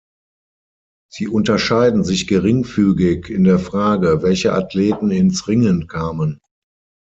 Sie unterscheiden sich geringfügig in der Frage, welche Athleten ins Ringen kamen.